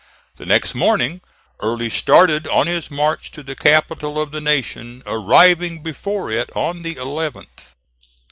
The next morning Early started on his march to the capital of the Nation, arriving before it on the 11th.